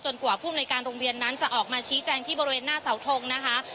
กว่าผู้อำนวยการโรงเรียนนั้นจะออกมาชี้แจงที่บริเวณหน้าเสาทงนะคะ